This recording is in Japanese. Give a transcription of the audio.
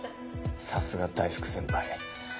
さすが大福先輩。